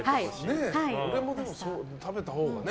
俺も食べたほうが。